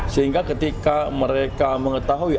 sehingga ketika mereka mengetahui